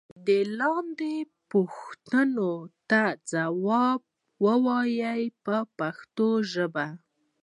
دې لاندې پوښتنو ته ځواب و وایئ په پښتو ژبه.